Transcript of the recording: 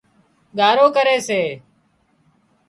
ڳارو ڪري سي